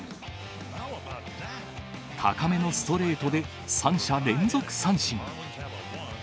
高めのストレートで３者連続三振。